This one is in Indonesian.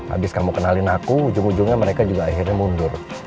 abis kamu kenalin aku ujung ujungnya mereka juga akhirnya mundur